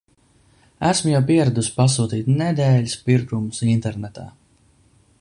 Esmu jau pieradusi pasūtīt nedēļas pirkumus internetā.